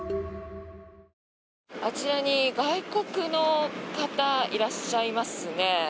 あちらに外国の方がいらっしゃいますね。